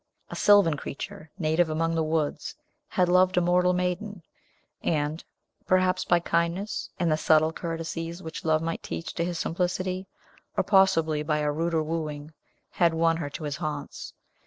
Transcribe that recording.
A sylvan creature, native among the woods, had loved a mortal maiden, and perhaps by kindness, and the subtile courtesies which love might teach to his simplicity, or possibly by a ruder wooing had won her to his haunts.